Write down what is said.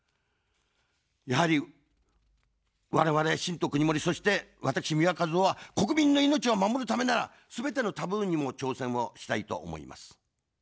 やはり、われわれ新党くにもり、そして私、三輪和雄は国民の命を守るためなら、全てのタブーにも挑戦をしたいと思います。